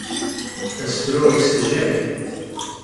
Asefru issejjay.